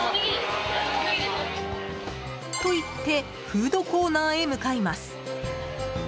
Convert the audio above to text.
と言ってフードコーナーへ向かいます。